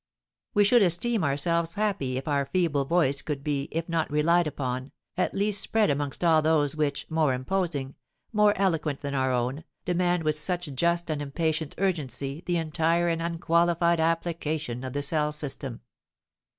We should esteem ourselves happy if our feeble voice could be, if not relied upon, at least spread amongst all those which, more imposing, more eloquent than our own, demand with such just and impatient urgency the entire and unqualified application of the cell system.